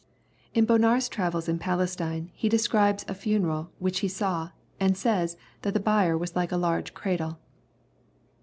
In Bonar's travels in Palestine, he desciibes a funeral which he saw, and says that the bier was like " a large cradle."